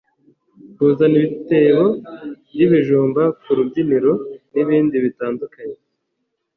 kuzana ibitebo by’ibijumba ku rubyiniro n’ibindi bitandukanye